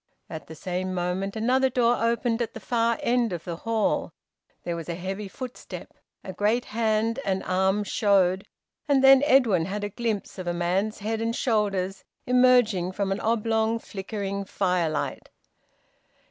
At the same moment another door opened at the far end of the hall; there was a heavy footstep; a great hand and arm showed, and then Edwin had a glimpse of a man's head and shoulders emerging from an oblong flickering firelight.